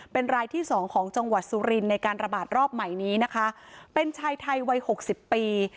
เป็นรายที่สองของจังหวัดสุรินทร์ในการระบาดรอบใหม่นี้นะคะเป็นชายไทยวัยหกสิบปี